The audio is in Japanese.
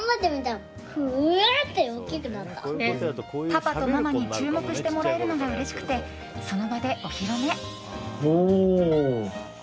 パパとママに注目してもらえるのがうれしくてその場でお披露目。